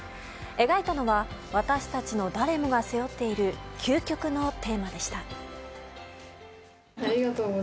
描いたのは私たちの誰もが背負っている究極のテーマでした。